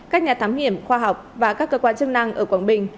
các nhà thám hiểm khoa học và các cơ quan chức năng ở quảng bình